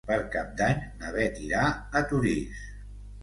Per Cap d'Any na Beth irà a Torís.